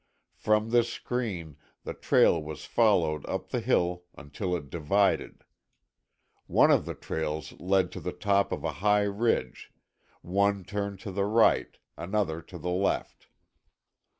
From this screen the trail was followed up the hill until it divided. One of the trails led to the top of a high ridge, one turned to the right, another to the left.